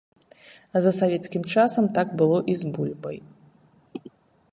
За савецкім часам так было і з бульбай.